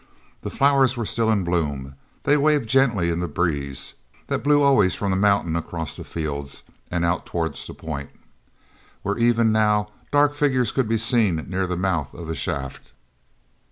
The flowers were still in bloom; they waved gently in the breeze that blew always from the mountain across the fields and out toward the point, where even now dark figures could be seen near the mouth of the shaft.